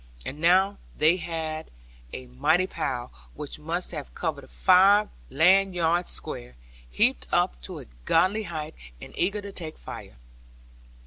And now they had a mighty pile, which must have covered five land yards square, heaped up to a goodly height, and eager to take fire.